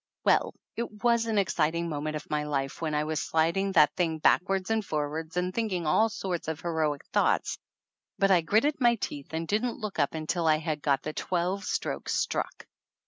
Well, it was an exciting moment of my life when I was sliding that thing backwards and forwards and thinking all sorts of heroic thoughts, but I gritted my teeth and didn't look up until I had got the twelve strokes struck.